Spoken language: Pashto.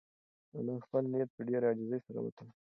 انا خپل نیت په ډېرې عاجزۍ سره وتاړه.